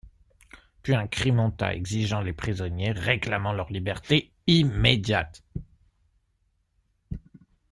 Puis, un cri monta, exigeant les prisonniers, réclamant leur liberté immédiate.